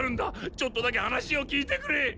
ちょっとだけ話を聞いてくれ。